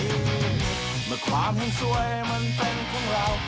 เมื่อความสวยมันเป็นของเรา